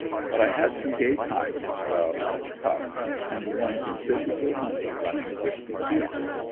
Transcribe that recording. But I had some gay times as well as tough and won considerable money running Whisky peat.